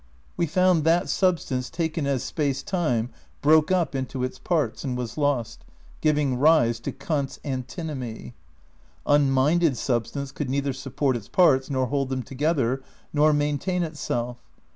We found that Substance taken as Space Time broke up into its parts and was lost, giving rise to Kant's antinomy. Unminded substance could neither support its parts, nor hold them together, nor maintain itself.